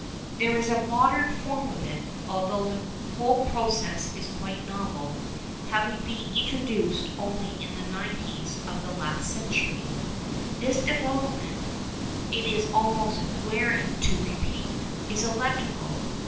There is a more modern form of it, although the whole process is quite novel, having been introduced only in the nineties of last century. This development, it is almost wearying to repeat, is electrical.